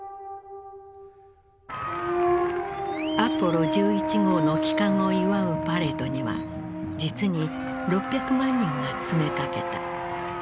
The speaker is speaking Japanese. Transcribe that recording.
アポロ１１号の帰還を祝うパレードには実に６００万人が詰めかけた。